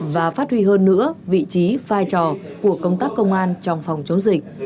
và phát huy hơn nữa vị trí vai trò của công tác công an trong phòng chống dịch